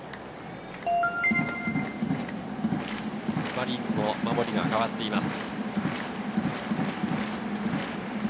マリーンズの守りが代わっています。